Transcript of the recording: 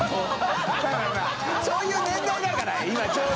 世蕕そういう年代だから今ちょうど。